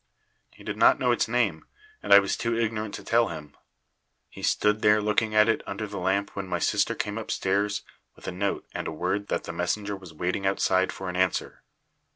He did not know its name, and I was too ignorant to tell him. He stood there looking at it under the lamp when my sister came upstairs with a note and word that the messenger was waiting outside for an answer.